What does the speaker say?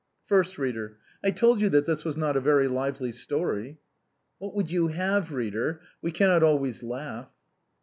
First Reader. — I told you that this was not a very lively story. What would you have, reader? we cannot always laugh.